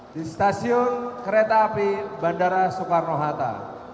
di stasiun kereta api bandara soekarno hatta